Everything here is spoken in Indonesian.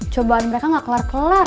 cobaan mereka gak kelar kelar